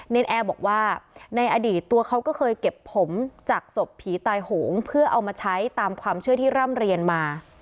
นแอร์บอกว่าในอดีตตัวเขาก็เคยเก็บผมจากศพผีตายโหงเพื่อเอามาใช้ตามความเชื่อที่ร่ำเรียนมา